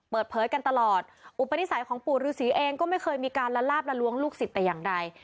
เปิดเผยกันตลอดอุปนิสัยของปู่ฤษีเองก็ไม่เคยมีการละลาบละล้วงลูกศิษย์แต่อย่างใด